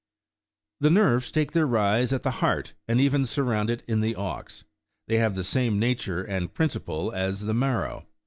The nerves 9 take their rise at the heart, and even surround it in the ox ; they have the same nature and principle as the marrow.